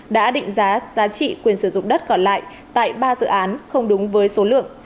đã định giá giá trị quyền sử dụng đất còn lại tại ba dự án không đúng với số lượng